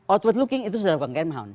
outward looking itu sudah bukan kem haun